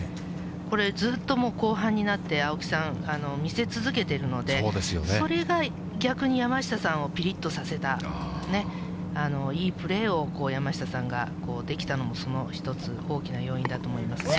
これ、ずっともう後半になって、青木さん、見せ続けてるので、それが逆に山下さんをぴりっとさせた、いいプレーを山下さんができたのも、その一つ、大きな要因だと思いますね。